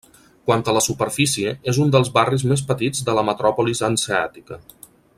Quant a la superfície és un dels barris més petits de la metròpolis hanseàtica.